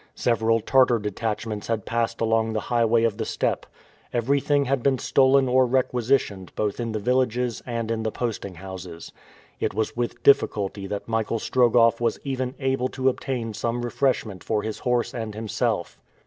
Several Tartar detachments had passed along the highway of the steppe. Everything had been stolen or requisitioned both in the villages and in the posting houses. It was with difficulty that Michael Strogoff was even able to obtain some refreshment for his horse and himself.